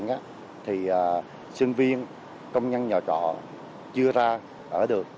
dịch bệnh thì sinh viên công nhân nhỏ trọ chưa ra ở được